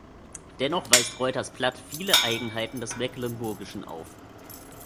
Dennoch weist Reuters Platt viele Eigenheiten des Mecklenburgischen auf.